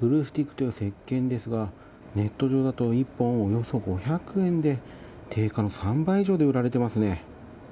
ブルースティックという石けんですがネット上だと１本およそ５００円で定価の３倍以上で売られていますね。